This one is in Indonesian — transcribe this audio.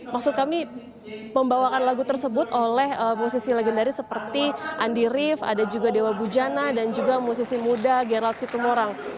maksud kami membawakan lagu tersebut oleh musisi legendaris seperti andi rif ada juga dewa bujana dan juga musisi muda gerald situmorang